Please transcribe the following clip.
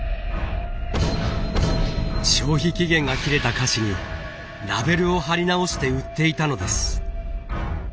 消費期限が切れた菓子にラベルを貼り直して売っていたのです。